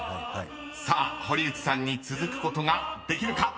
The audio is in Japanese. ［さあ堀内さんに続くことができるか］